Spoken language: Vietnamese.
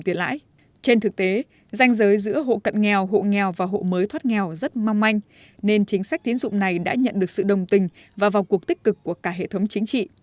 trên thực tế danh giới giữa hộ cận nghèo hộ nghèo và hộ mới thoát nghèo rất mong manh nên chính sách tiến dụng này đã nhận được sự đồng tình và vào cuộc tích cực của cả hệ thống chính trị